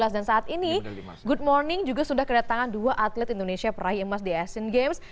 dan saat ini good morning juga sudah kedatangan dua atlet indonesia perahi emas di asian games